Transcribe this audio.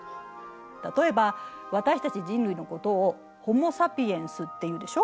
例えば私たち人類のことを「ホモ・サピエンス」っていうでしょ？